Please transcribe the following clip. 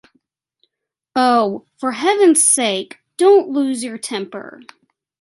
Oh, for Heaven's sake, don't lose your temper.